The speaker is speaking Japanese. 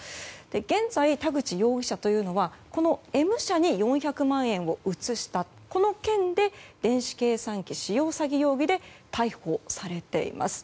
現在、田口容疑者というのはＭ社に４００万円を移したという件で電子計算機使用詐欺容疑で逮捕されています。